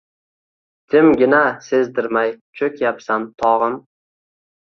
Jimgina, sezdirmay cho‘kyapsan, tog‘im.